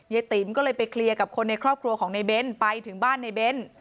ติ๋มก็เลยไปเคลียร์กับคนในครอบครัวของในเบ้นไปถึงบ้านในเบ้น